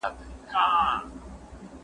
سياست پوهنه د ټولنې په وده کي خورا ګټوره ده.